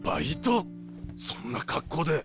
そんな格好で。